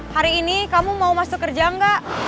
hari ini kamu mau masuk kerja enggak